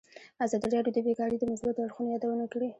ازادي راډیو د بیکاري د مثبتو اړخونو یادونه کړې.